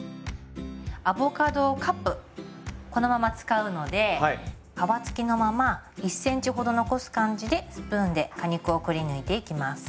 アボカドカップこのまま使うので皮付きのまま１ｃｍほど残す感じでスプーンで果肉をくりぬいていきます。